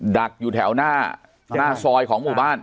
ดักอยู่แถวหน้าซอยของหมู่บ้าน